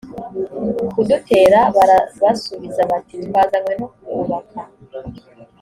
kudutera barabasubiza bati twazanywe no kubaka